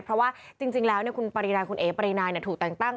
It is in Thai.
เพราะว่าจริงแล้วคุณปรินาคุณเอ๋ปรีนายถูกแต่งตั้ง